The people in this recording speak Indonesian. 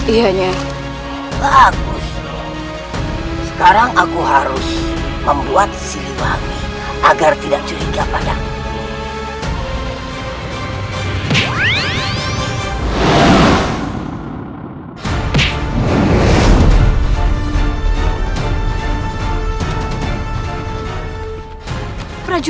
iya ya bagus sekarang aku harus membuat silipani agar tidak curiga padamu